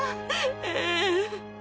ええ。